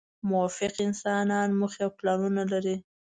موفق انسانان موخې او پلانونه لري.